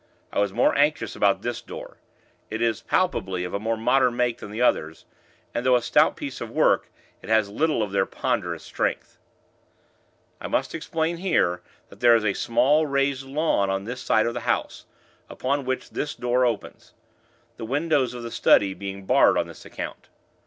I was more anxious about this door. It is, palpably, of a more modern make than the others, and, though a stout piece of work, it has little of their ponderous strength. I must explain here, that there is a small, raised lawn on this side of the house, upon which this door opens the windows of the study being barred on this account.